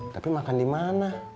tapi makan dimana